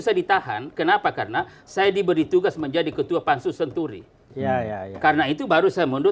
saya ditahan kenapa karena saya diberi tugas menjadi ketua pansus senturi karena itu baru saya mundur